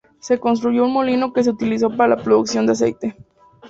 Se construyó un molino que se utilizó para la producción de aceite.